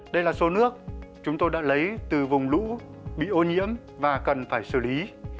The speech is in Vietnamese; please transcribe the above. đây là số nước chúng tôi đã lấy từ vùng lũ bị ô nhiễm và cần phải xử lý